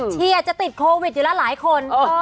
เชียร์จะติดโควิดอยู่แล้วหลายคน